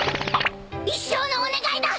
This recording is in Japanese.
一生のお願いだ！